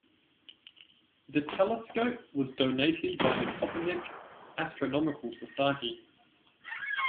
The telescope was donated by the Kopernik Astronomical Society.